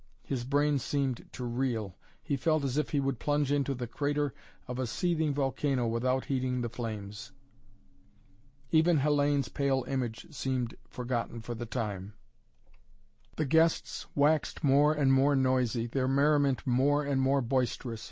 His brain seemed to reel. He felt as if he would plunge into the crater of a seething volcano without heeding the flames. Even Hellayne's pale image seemed forgotten for the time. The guests waxed more and more noisy, their merriment more and more boisterous.